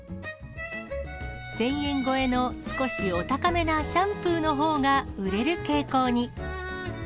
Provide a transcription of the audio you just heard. １０００円超えの少しお高めなシャンプーのほうが売れる傾向に。